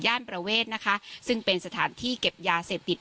ประเวทนะคะซึ่งเป็นสถานที่เก็บยาเสพติด